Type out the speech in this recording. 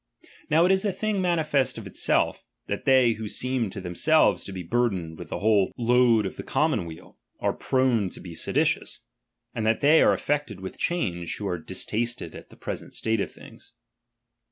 H Now it is a thing manifest of itself, that they who I seem to themselves to be burthened with the whole ■. load of the commonweal, are prone to be seditious j and that they are affected with change, who are distasted at the present state of things.